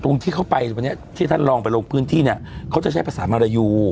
ที่เขาไปวันนี้ที่ท่านลองไปลงพื้นที่เนี่ยเขาจะใช้ภาษามารยู